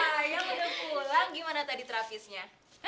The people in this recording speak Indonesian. sayang udah pulang gimana tadi terapisnya